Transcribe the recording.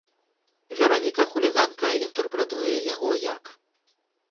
Вераніка-хуліганка інтэрпрэтуе яго як?